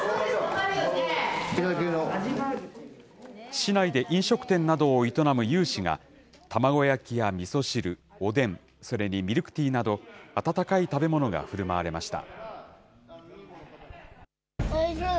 市内で飲食店などを営む有志が、卵焼やみそ汁、おでん、それにミルクティーなど、温かい食べ物がふるまわれました。